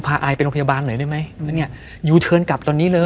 พาอายเป็นโรพยาบาลหน่อยด้วยไหมอย่างเงี้ยยูเทิร์นกลับตอนนี้เลย